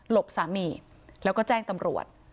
บสามีแล้วก็แจ้งตำรวจ